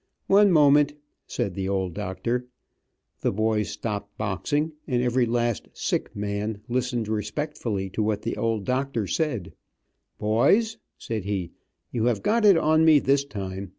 "One moment," said the old doctor. The boys stopped boxing, and every last "sick" man listened respectfully to what the old doctor said; "Boys," said he, "you have got it on me this time.